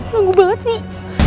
banggu banget sih